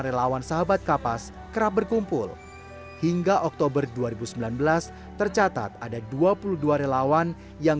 relawan sahabat kapas kerap berkumpul hingga oktober dua ribu sembilan belas tercatat ada dua puluh dua relawan yang